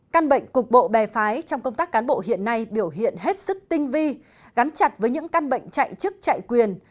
căn bệnh cục bộ bè phái trong công tác cán bộ hiện nay biểu hiện hết sức tinh vi gắn chặt với những căn bệnh chạy chức chạy quyền